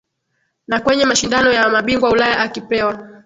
Na kwenye mashindano ya mabingwa Ulaya akipewa